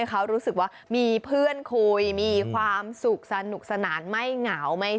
เขารู้สึกว่ามีเพื่อนคุยมีความสุขสนุกสนานไม่เหงา